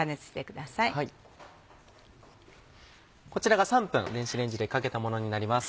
こちらが３分電子レンジでかけたものになります。